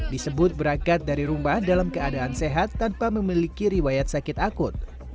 disebut berangkat dari rumah dalam keadaan sehat tanpa memiliki riwayat sakit akut